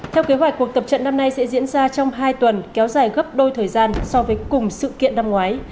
theo kế hoạch cuộc tập trận năm nay sẽ diễn ra trong hai tuần kéo dài gấp đôi thời gian so với cùng sự kiện năm ngoái